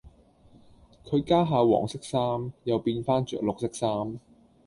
佢家下黃色衫，又變返著綠色衫